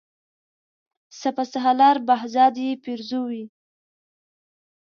سپه سالار بهزاد یې پرزوي.